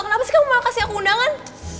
kenapa sih kamu mau kasih aku undangan